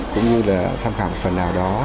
cũng như là tham khảo phần nào đó